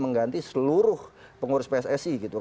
mengganti seluruh pengurus pssi